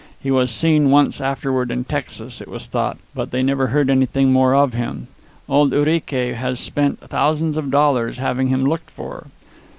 He was seen once afterward in Texas, it was thought, but they never heard anything more of him. Old Urique has spent thousands of dollars having him looked for.